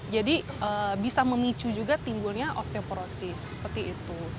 jadi bisa memicu juga timbulnya osteoporosis seperti itu